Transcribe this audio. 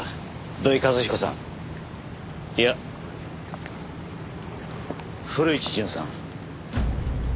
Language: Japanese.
土井和彦さんいや古市潤さん。